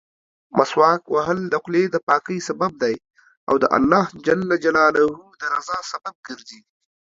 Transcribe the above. مسواک وهل د خولې دپاکۍسبب دی او د الله جل جلاله درضا سبب ګرځي.